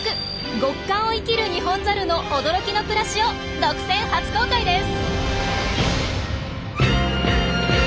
極寒を生きるニホンザルの驚きの暮らしを独占初公開です！